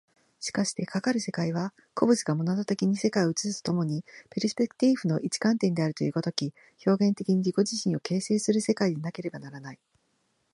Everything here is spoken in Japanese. しかしてかかる世界は、個物がモナド的に世界を映すと共にペルスペクティーフの一観点であるという如き、表現的に自己自身を形成する世界でなければならない。